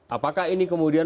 apakah ini kemudian